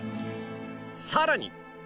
さらに